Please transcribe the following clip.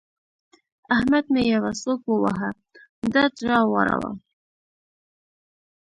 احمد مې يوه سوک وواهه؛ ډډ را واړاوو.